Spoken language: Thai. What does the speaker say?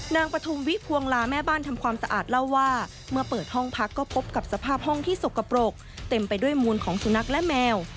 ปฐุมวิพวงลาแม่บ้านทำความสะอาดเล่าว่าเมื่อเปิดห้องพักก็พบกับสภาพห้องที่สกปรกเต็มไปด้วยมูลของสุนัขและแมว